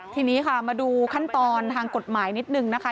ทีนี้ค่ะมาดูขั้นตอนทางกฎหมายนิดนึงนะคะ